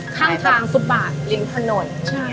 ข้างทางฟุตบาทริมถนน